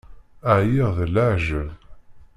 Ԑyiɣ d leεǧeb.